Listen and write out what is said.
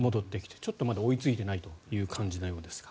ちょっとまだ追いついていないという感じのようですが。